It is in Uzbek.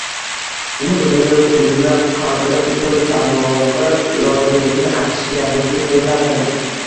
umri bo‘yi uni – qalbini – butun saqlamog‘i lozimligini aytish kerakligini so‘zlardi!